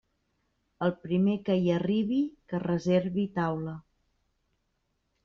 El primer que hi arribi que reservi taula.